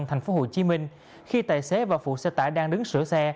thành phố hồ chí minh khi tài xế và phụ xe tải đang đứng sửa xe